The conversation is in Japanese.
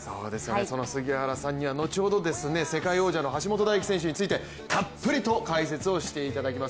その杉原さんには後ほど世界王者の橋本大輝選手についてたっぷりと解説をしていただきます。